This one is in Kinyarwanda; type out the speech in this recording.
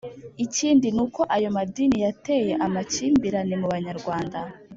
Ikindi n'uko ayo madini yateye amakimbirane mu Banyarwanda: